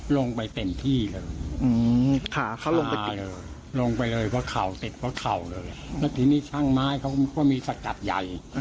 ลงไปเต็มที่เลยขาเขาลงไปติด